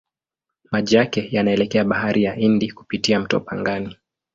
Maji yake yanaelekea Bahari ya Hindi kupitia mto Pangani.